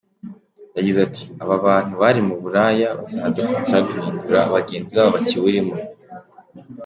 Yagize ati “Aba bantu bari mu buraya bazadufasha guhindura bagenzi babo bakiburimo.